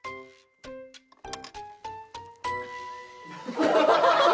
ハハハハ！